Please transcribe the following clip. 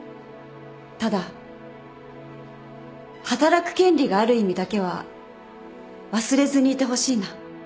ただ働く権利がある意味だけは忘れずにいてほしいな。